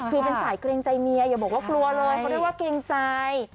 คือเป็นสายเกรงใจเมียอย่าบอกว่ากลัวเลยเขาเรียกว่าเกรงใจ